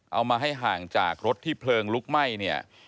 เอามาให้ห่างจากรถที่เพลิงลุกไหม้เนี่ย